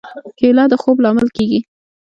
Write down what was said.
کېله د خوب لامل کېږي.